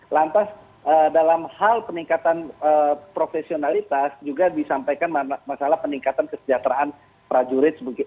lantas dalam hal peningkatan profesionalitas juga disampaikan masalah peningkatan kesejahteraan prajurit